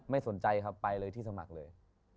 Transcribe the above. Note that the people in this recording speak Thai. สนใจครับไปเลยที่สมัครเลย